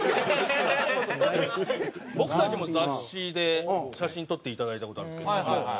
僕たちも雑誌で写真撮っていただいた事あるんですけど。